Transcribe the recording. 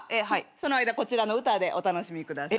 その間こちらの歌でお楽しみください。